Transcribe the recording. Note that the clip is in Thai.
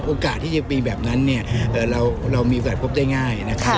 โอกาสที่จะมีแบบนั้นเนี่ยเรามีโอกาสพบได้ง่ายนะครับ